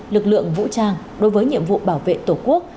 lực lượng vũ trang đối với nhiệm vụ bảo vệ tổ quốc